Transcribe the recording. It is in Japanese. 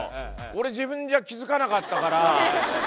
俺自分じゃ気づかなかったから